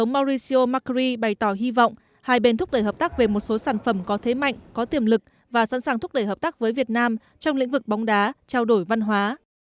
ông mauricio macri bày tỏ hy vọng hai bên thúc đẩy hợp tác về một số sản phẩm có thế mạnh có tiềm lực và sẵn sàng thúc đẩy hợp tác với việt nam trong lĩnh vực bóng đá trao đổi văn hóa